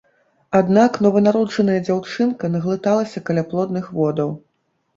Аднак нованароджаная дзяўчынка наглыталася каляплодных водаў.